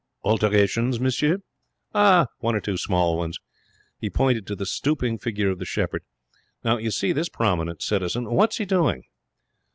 'Alterations, monsieur?' 'One or two small ones.' He pointed to the stooping figure of the shepherd. 'Now, you see this prominent citizen. What's he doing!'